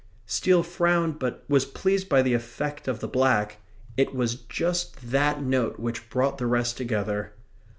Steele frowned; but was pleased by the effect of the black it was just THAT note which brought the rest together.